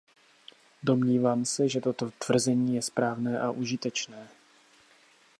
Domnívám se, že toto tvrzení je správné a užitečné.